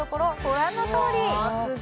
ご覧のとおりうわ